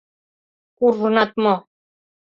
Куржынат мо?